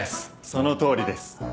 そのとおりです。